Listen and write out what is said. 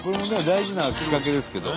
大事なきっかけですけど。